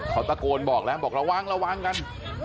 เขาตะโกนบอกแล้วบอกระวังระวังกัน